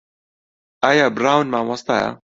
ئایا براون مامۆستایە؟